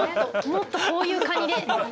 もっとこういうカニで」みたいな。